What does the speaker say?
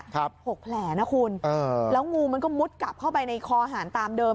หกแผลนะคุณเออแล้วงูมันก็มุดกลับเข้าไปในคอหารตามเดิม